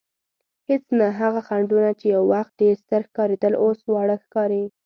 هېڅ نه، هغه خنډونه چې یو وخت ډېر ستر ښکارېدل اوس واړه ښکاري.